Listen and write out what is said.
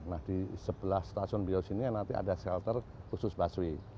nah di sebelah stasiun bios ini nanti ada shelter khusus busway